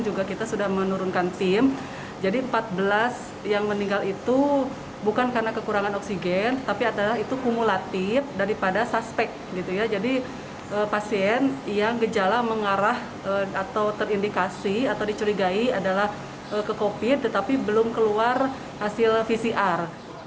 jadi belum keluar hasil pcr